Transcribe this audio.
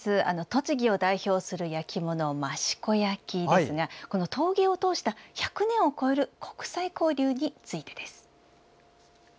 栃木を代表する焼き物益子焼ですが陶芸を通した１００年を超える国際交流についてです。